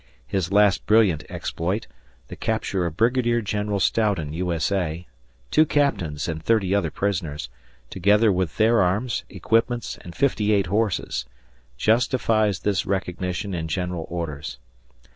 His last brilliant exploit the capture of Brigadier General Stoughton, U. S. A., two captains, and thirty other prisoners, together with their arms, equipments, and fifty eight horses justifies this recognition in General Orders.